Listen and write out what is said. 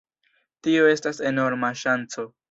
Tio estas enorma ŝanco.